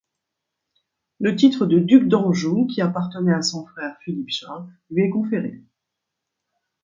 Le titre de Duc d'Anjou qui appartenait à son frère Philippe-Charles lui est conféré.